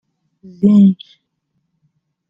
zinc